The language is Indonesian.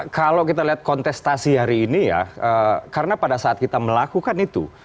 kalau kita lihat kontestasi hari ini ya karena pada saat kita melakukan itu